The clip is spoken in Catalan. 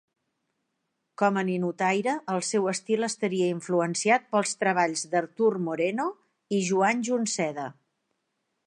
Com a ninotaire, el seu estil estaria influenciat pels treballs d'Artur Moreno i Joan Junceda.